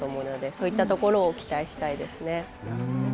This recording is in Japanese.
そういったところを期待したいです。